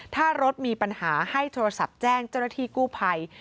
ถ้ารถมีปัญหาให้โทรศัพท์แจ้งเจ้าหน้าที่กู้ภัย